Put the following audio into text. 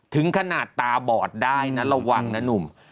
ถึงขนาดตาบอดได้นะระวังนะหนุ่ม